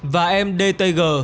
và em dtg